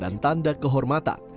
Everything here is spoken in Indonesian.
dan tanda kehormatan